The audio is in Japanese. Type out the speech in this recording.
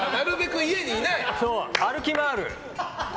歩き回る。